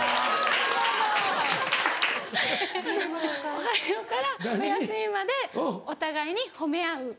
あの「おはよう」から「おやすみ」までお互いに褒め合う。